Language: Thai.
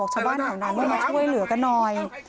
ชาวบ้านแถวนั้นว่ามาช่วยเหลือกันหน่อย